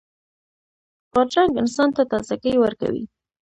بادرنګ انسان ته تازهګۍ ورکوي.